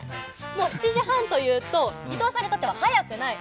もう７時半は、伊藤さんにとっては早くない。